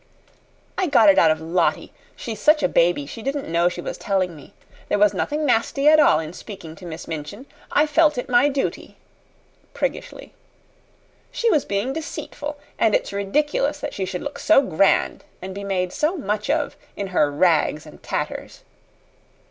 "I got it out of Lottie. She's such a baby she didn't know she was telling me. There was nothing nasty at all in speaking to Miss Minchin. I felt it my duty" priggishly. "She was being deceitful. And it's ridiculous that she should look so grand, and be made so much of, in her rags and tatters!"